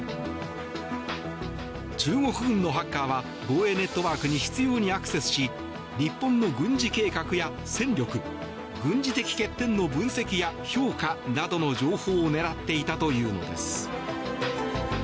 中国軍のハッカーは防衛ネットワークに執ようにアクセスし日本の軍事計画や戦力軍事的欠点の分析や評価などの情報を狙っていたというのです。